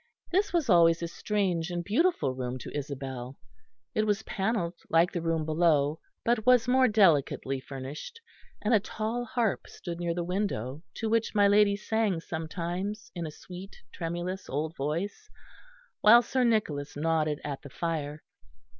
This was always a strange and beautiful room to Isabel. It was panelled like the room below, but was more delicately furnished, and a tall harp stood near the window to which my lady sang sometimes in a sweet tremulous old voice, while Sir Nicholas nodded at the fire.